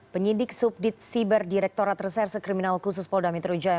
penyidik subdit siber direkturat reserse kriminal khusus polda metro jaya